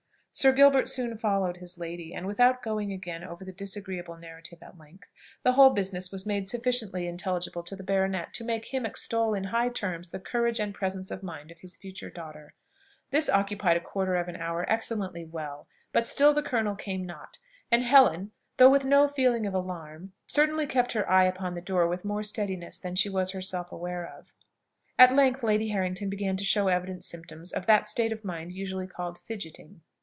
Sir Gilbert soon followed his lady, and, without going again over the disagreeable narrative at length, the whole business was made sufficiently intelligible to the baronet to make him extol in high terms the courage and presence of mind of his future daughter. This occupied a quarter of an hour excellently well, but still the colonel came not: and Helen, though with no feeling of alarm, certainly kept her eye upon the door with more steadiness than she was herself aware of. At length, Lady Harrington began to show evident symptoms of that state of mind usually called fidgeting.